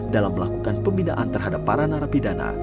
dalam melakukan pembinaan terhadap para narapidana